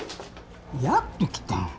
やっと来た。